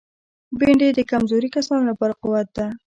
بېنډۍ د کمزوري کسانو لپاره قوت ده